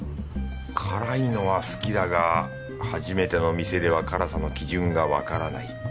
辛いのは好きだが初めての店では辛さの基準がわからない。